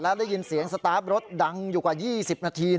ได้ยินเสียงสตาร์ฟรถดังอยู่กว่า๒๐นาที